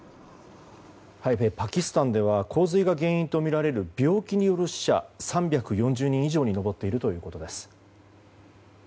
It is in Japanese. パキスタンでは洪水が原因とみられる病気による死者、３４０人以上に上っているということです。